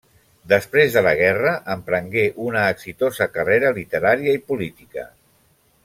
Després de la guerra emprengué una exitosa carrera literària i política.